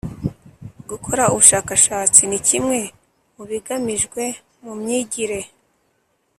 gukora ubushakashatsi ni kimwe mu bigamijwe mu myigire